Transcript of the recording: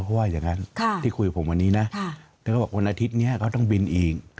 เพราะว่าอย่างนั้นที่คุยผมมานี้เธอยังว่าวันอาทิตย์เนี่ยต้องบินอีก